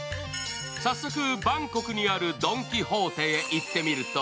早速、バンコクにあるドン・キホーテへ行ってみると